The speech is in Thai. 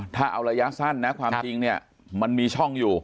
ถ้าเอาระยะสั้นนะความจริงเนี่ยมันมีช่องอยู่